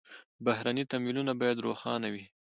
بهرني تمویلونه باید روښانه وي.